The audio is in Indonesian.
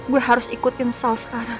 gue harus ikutin self sekarang